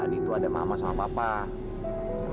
tadi tuh ada mama sama papa